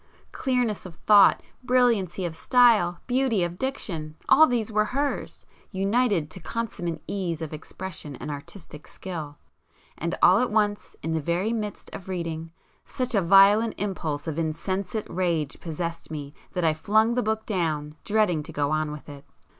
Clearness of thought, brilliancy of style, beauty of diction, all these were hers, united to consummate ease of expression and artistic skill,—and all at once, in the very midst of reading, such a violent impulse of insensate rage possessed me that I flung the book down, dreading to go on with it.